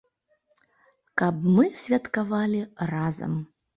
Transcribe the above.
Каб мы святкавалі разам.